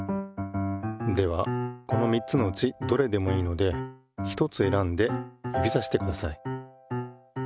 ではこの３つのうちどれでもいいのでひとつ選んで指さしてください。